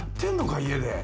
家で。